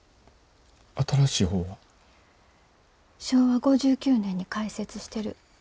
昭和５９年に開設してる。